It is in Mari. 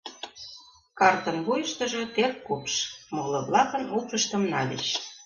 Картын вуйыштыжо теркупш, моло-влак упшыштым нальыч.